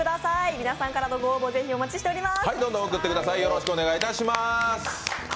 皆さんからのご応募、ぜひお待ちしております。